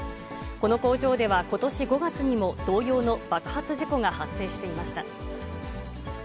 この工場ではことし５月にも、同様の爆発事故が発生していました。